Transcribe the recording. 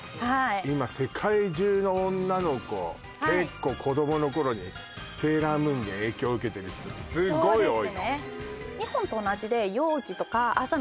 今世界中の女の子はい結構子どもの頃に「セーラームーン」で影響受けてる人すごい多いのそうですね